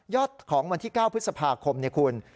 ของวันที่๙พฤษภาคมเนี่ยคุณ